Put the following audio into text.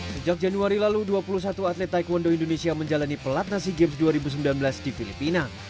sejak januari lalu dua puluh satu atlet taekwondo indonesia menjalani pelatna sea games dua ribu sembilan belas di filipina